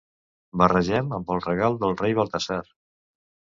Barregem amb el regal del rei Baltasar.